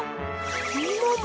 みもも